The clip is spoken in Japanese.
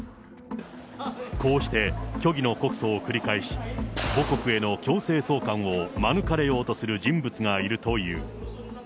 こうして、虚偽の告訴を繰り返し、母国への強制送還を免れようとする人物がいるという。